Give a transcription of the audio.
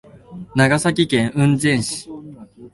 長崎県雲仙市